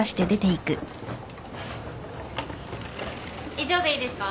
以上でいいですか？